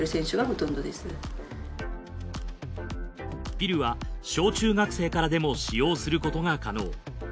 ピルは小中学生からでも使用することが可能。